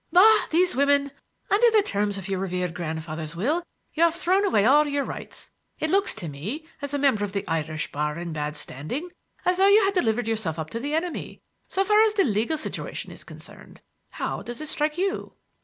"Bah, these women! Under the terms of your revered grandfather's will you have thrown away all your rights. It looks to me, as a member of the Irish bar in bad standing, as though you had delivered yourself up to the enemy, so far as the legal situation is concerned. How does it strike you?"